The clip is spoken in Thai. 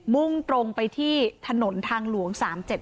่งตรงไปที่ถนนทางหลวง๓๗